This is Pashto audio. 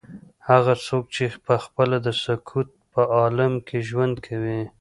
هغه څوک چې پخپله د سکوت په عالم کې ژوند کوي.